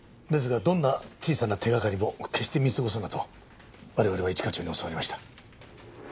ですがどんな小さな手掛かりも決して見過ごすなと我々は一課長に教わりました。